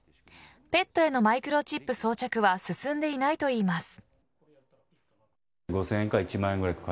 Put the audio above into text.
ペットへのマイクロチップ装着は進んでいないといいます。